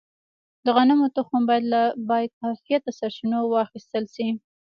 د غنمو تخم باید له باکیفیته سرچینو واخیستل شي.